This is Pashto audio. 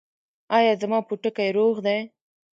ایا زما پوټکی روغ دی؟